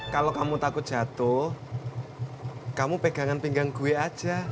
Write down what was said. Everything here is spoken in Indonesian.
kalau kamu takut jatuh kamu pegangan pinggang gue aja